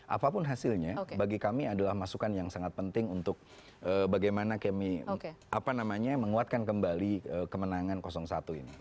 apapun hasilnya bagi kami adalah masukan yang sangat penting untuk bagaimana kami menguatkan kembali kemenangan satu ini